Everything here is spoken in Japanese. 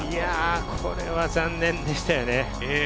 これは残念でしたよね。